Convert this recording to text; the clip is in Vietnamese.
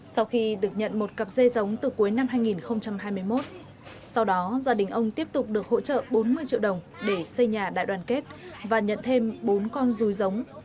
sau khi được nhận một cặp dê giống từ cuối năm hai nghìn hai mươi một sau đó gia đình ông tiếp tục được hỗ trợ bốn mươi triệu đồng để xây nhà đại đoàn kết và nhận thêm bốn con dùi giống